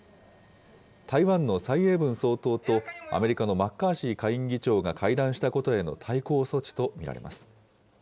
台湾の蔡英文総統と、アメリカのマッカーシー下院議長が会談したことへの対抗措置と見られます。